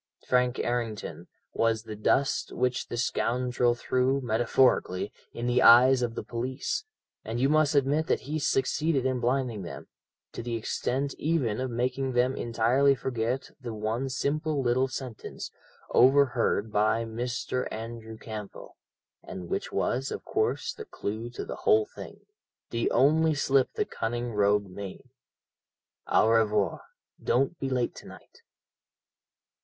Frank Errington was the dust which the scoundrel threw metaphorically in the eyes of the police, and you must admit that he succeeded in blinding them to the extent even of making them entirely forget the one simple little sentence, overheard by Mr. Andrew Campbell, and which was, of course, the clue to the whole thing the only slip the cunning rogue made 'Au revoir! Don't be late to night.'